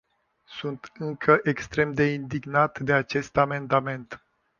Sunt încă extrem de indignat de acest amendament.